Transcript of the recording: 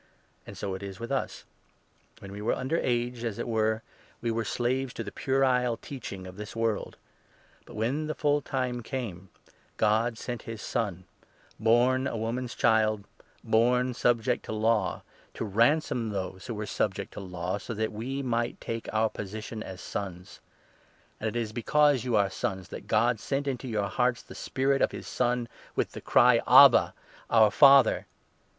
And so is it with us ; when we were under 3 age, as it were, we were slaves to the puerile teaching of this world ; but, when the full time came, God sent his Son — born 4 a woman's child, born subject to Law — to ransom those who 5 were subject to Law, so that we might take our position as sons. And it is because you are sons that God sent into our hearts 6 the Spirit of his Son, with the cry —' Abba, our Father.'